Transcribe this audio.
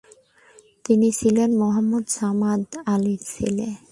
তিনি ছিলেন মোহাম্মদ সামাদ আলীর ছেলে।